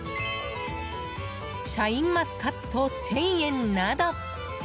シャインマスカット１０００円など。